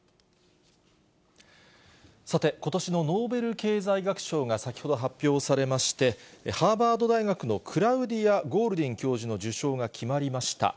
さて、ことしのノーベル経済学賞が先ほど発表されまして、ハーバード大学のクラウディア・ゴールディン教授の受賞が決まりました。